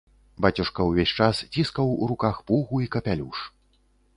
Бацюшка ўвесь час ціскаў у руках пугу і капялюш.